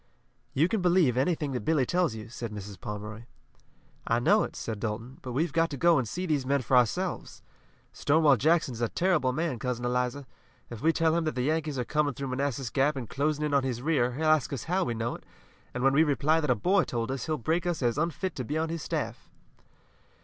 "You can believe anything that Billy tells you," said Mrs. Pomeroy. "I know it," said Dalton, "but we've got to go on and see these men for ourselves. Stonewall Jackson is a terrible man, Cousin Eliza. If we tell him that the Yankees are coming through Manassas Gap and closing in on his rear, he'll ask us how we know it, and when we reply that a boy told us he'll break us as unfit to be on his staff."